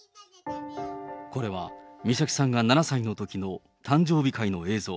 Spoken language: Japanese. これは美咲さんが７歳のときの誕生日会の映像。